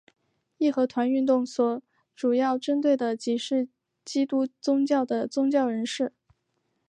义和团运动所主要针对的即是基督宗教的宗教人士。